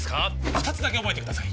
二つだけ覚えてください